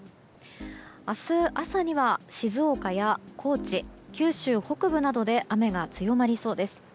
明日朝には静岡や高知九州北部などで雨が強まりそうです。